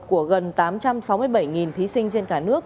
của gần tám trăm sáu mươi bảy thí sinh trên cả nước